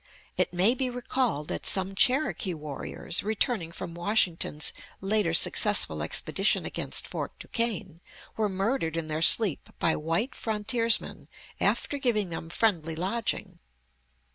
It may be recalled that some Cherokee warriors, returning from Washington's later successful expedition against Fort Duquesne, were murdered in their sleep by white frontiersmen after giving them friendly lodging.